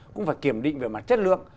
cũng phải kiểm định về mặt chất lượng